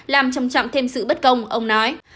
làm chậm chậm thêm sự bất công ông nói